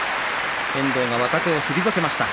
遠藤が若手を退けました。